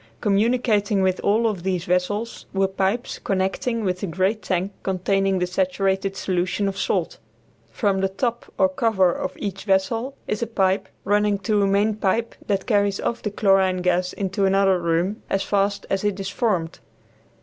Communicating with all of these vessels were pipes connecting with the great tank containing the saturated solution of salt. From the top or cover of each vessel is a pipe running to a main pipe that carries off the chlorine gas into another room as fast as it is formed.